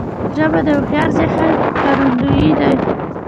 ژبه د هوښیار ذهن ښکارندوی ده